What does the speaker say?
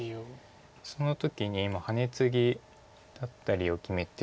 その時に今ハネツギだったりを決めて。